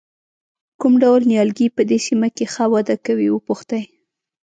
کوم ډول نیالګي په دې سیمه کې ښه وده کوي وپوښتئ.